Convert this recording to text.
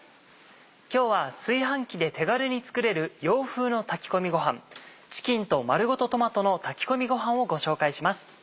今日は炊飯器で手軽に作れる洋風の炊き込みごはん「チキンと丸ごとトマトの炊き込みごはん」をご紹介します。